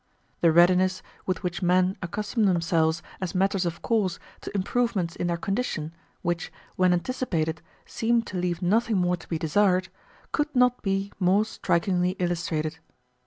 The readiness with which men accustom themselves, as matters of course, to improvements in their condition, which, when anticipated, seemed to leave nothing more to be desired, could not be more strikingly illustrated.